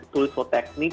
tulis suatu teknik